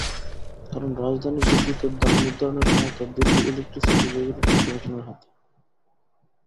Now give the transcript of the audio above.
কারণ, রাজধানীর বিদ্যুতের দাম নির্ধারণের ক্ষমতা দিল্লি ইলেকট্রিসিটি রেগুলেটরি কমিশনের হাতে।